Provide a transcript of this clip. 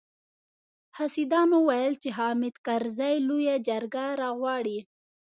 حاسدانو ويل چې حامد کرزي لويه جرګه راغواړي.